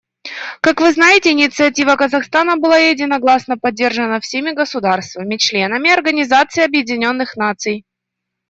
Как вы знаете, инициатива Казахстана была единогласно поддержана всеми государствами — членами Организации Объединенных Наций.